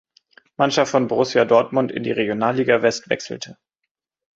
Mannschaft von Borussia Dortmund in die Regionalliga West wechselte.